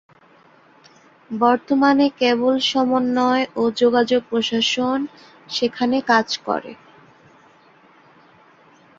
বর্তমানে কেবল সমন্বয় ও যোগাযোগ প্রশাসন সেখানে কাজ করে।